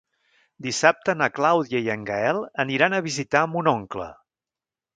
Dissabte na Clàudia i en Gaël aniran a visitar mon oncle.